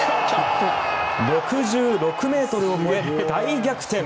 ６６ｍを超え、大逆転。